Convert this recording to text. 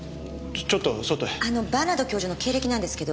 あのバーナード教授の経歴なんですけど。